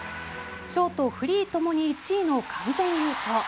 ショート、フリーともに１位の完全優勝。